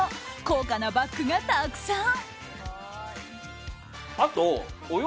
高価なバッグがたくさん。